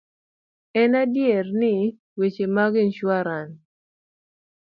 En adier ni, weche mag insuaran